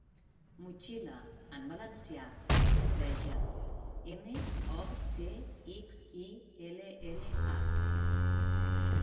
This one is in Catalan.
'Motxilla' en valencià es lletreja: eme, o, te, ics, i, ele, ele, a.